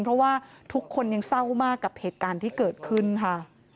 เพราะว่าทุกคนยังเศร้ามากกับเหตุการณ์ที่เกิดขึ้นค่ะ